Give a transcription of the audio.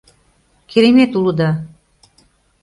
— Керемет улыда!